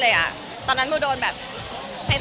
ก็เลยเอาข้าวเหนียวมะม่วงมาปากเทียน